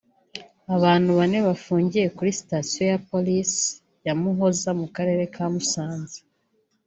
Abantu bane bafungiye kuri sitasiyo ya polisi ya Muhoza mu karere ka Musanze